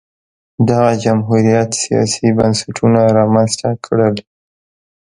دغه جمهوریت سیاسي بنسټونه رامنځته کړل